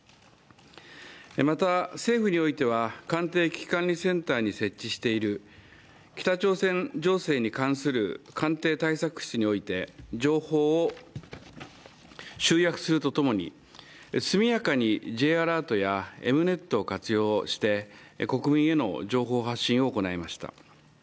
また、政府において官邸危機管理センターに設置している北朝鮮情勢に関する官邸対策室において情報を集約するとともに速やかにＪアラートやＭネットを活用して国民への情報発信を行いました。